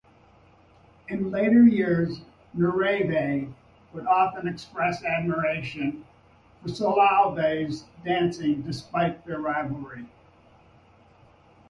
In later years Nureyev would often express admiration for Soloviev's dancing, despite their rivalry.